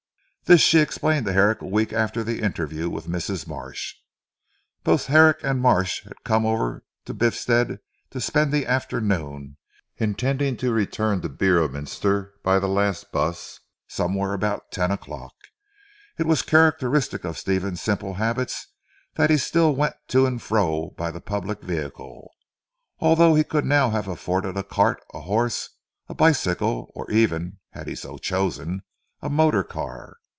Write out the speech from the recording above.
This she explained to Herrick a week after the interview with Mrs. Marsh. Both Herrick and Marsh had come over to Biffstead to spend the afternoon, intending to return to Beorminster by the last bus, somewhere about ten o'clock. It was characteristic of Stephen's simple habits that he still went to and fro by the public vehicle, although he could now have afforded a cart, a horse, a bicycle, or even (had he so chosen) a motor car.